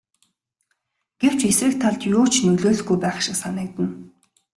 Гэвч эсрэг талд юу ч нөлөөлөхгүй байх шиг санагдана.